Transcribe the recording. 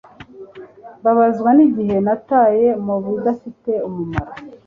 mbabazwa nigihe nataye mubidafite umumaro